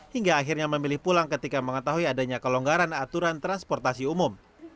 hingga akhirnya memilih pulang ketika mengetahui adanya kelonggaran aturan transportasi umum